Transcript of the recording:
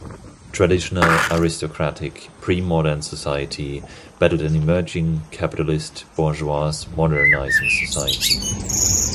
Traditional, aristocratic, premodern society battled an emerging capitalist, bourgeois, modernizing society.